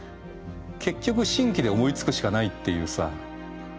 結局新規で思いつくしかないっていう現実があって。